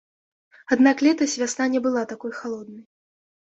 Аднак летась вясна не была такой халоднай.